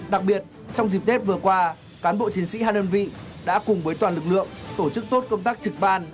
đặc biệt trong dịp tết vừa qua cán bộ chiến sĩ hai đơn vị đã cùng với toàn lực lượng tổ chức tốt công tác trực ban